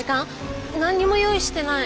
何にも用意してない。